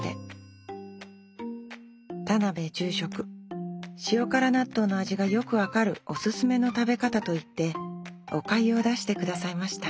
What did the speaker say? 田邊住職塩辛納豆の味がよく分かるおすすめの食べ方といっておかゆを出してくださいました